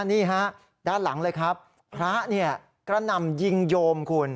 นี่ฮะด้านหลังเลยครับพระเนี่ยกระหน่ำยิงโยมคุณ